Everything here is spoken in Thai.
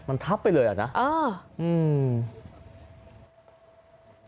มันทับไปเลยเหรอคะอ้าวอืม